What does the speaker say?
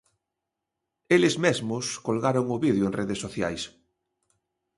Eles mesmos colgaron o vídeo en redes sociais.